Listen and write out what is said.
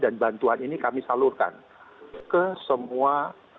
dan bantuan ini kami salurkan ke semua